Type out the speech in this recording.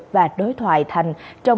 và đối thoại thành